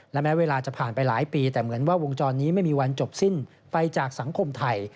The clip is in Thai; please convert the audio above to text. และแม้เวลาจะผ่านไปหลายปีแต่เหมือนว่าวงจรนี้ไม่มีวันจบสิ้นไปจากสังคมไทย